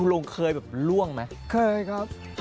ลุงเคยแบบล่วงไหมเคยครับ